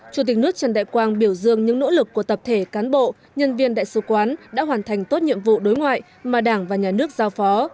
chủ tịch nước trần đại quang biểu dương những nỗ lực của tập thể cán bộ nhân viên đại sứ quán đã hoàn thành tốt nhiệm vụ đối ngoại mà đảng và nhà nước giao phó